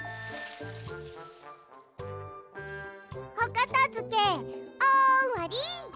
おかたづけおわり！